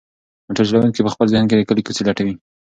موټر چلونکی په خپل ذهن کې د کلي کوڅې لټوي.